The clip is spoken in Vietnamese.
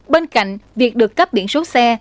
bên cạnh việc được cấp điện số xe